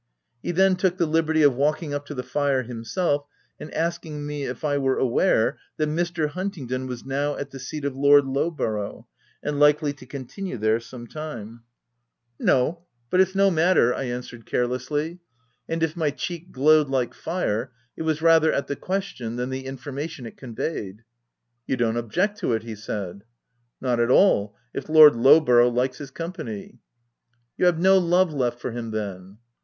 He then took the liberty of walking up to the fire himself, and asking me if I were aware that Mr. Huntingdon was now at the seat of Lord Lowborough, and likely to continue there some time. 352 THE TENANT " No ; but it's no matter/* I answered care lessly ; and if my cheek glowed like fire ; it was rather at the question than the information it conveyed. " You don't object to it?" he said. ". Not at all, if Lord Lowborough likes his company." " You have no love left for him, then?"